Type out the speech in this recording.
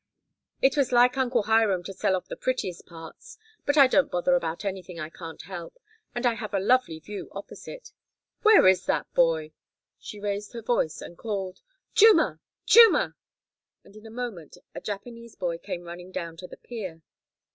"It was like Uncle Hiram to sell off the prettiest parts, but I don't bother about anything I can't help, and I have a lovely view opposite. Where is that boy?" She raised her voice and called, "Chuma! Chuma!" and in a moment a Japanese boy came running down to the pier.